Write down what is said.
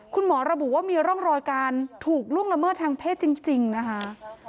คุณหมอระบุว่ามีร่องรอยการถูกล่วงละเมิดทางเพศจริงนะคะ